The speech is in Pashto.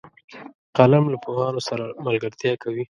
قلم له پوهانو سره ملګرتیا کوي